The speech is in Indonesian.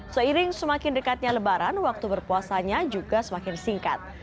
seiring semakin dekatnya lebaran waktu berpuasanya juga semakin singkat